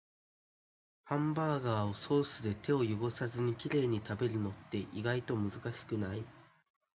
ハンバーガーをソースで手を汚さずにきれいに食べるのって、意外と難しくない？